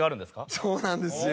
そうなんですよ。